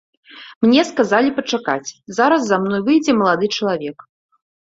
Мне сказалі пачакаць, зараз за мной выйдзе малады чалавек.